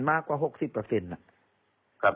เพราะว่าตอนแรกมีการพูดถึงนิติกรคือฝ่ายกฎหมาย